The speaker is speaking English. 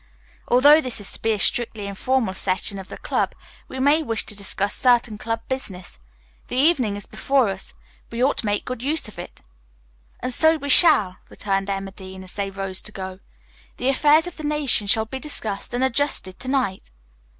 Although this is to be a strictly informal session of the club, we may wish to discuss certain club business. The evening is before us. We ought to make good use of it." "And so we shall," returned Emma Dean, as they rose to go. "The affairs of the nation shall be discussed and adjusted to night."